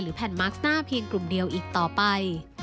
แผ่นมาร์สต้าเพียงกลุ่มเดียวอีกต่อไป